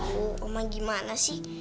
oh omah gimana sih